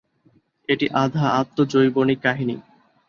এটি আধা-আত্মজৈবণিক কাহিনী।